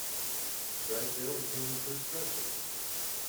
Drysdale became the first President.